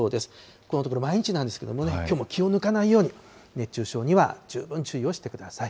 このところ毎日なんですけれどもね、きょうも気を抜かないように、熱中症には十分注意をしてください。